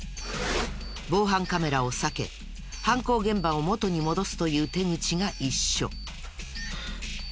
防犯カメラを避け犯行現場を元に戻すという手口が一緒。